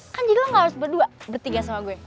kan jadi lo gak harus berdua bertiga sama gue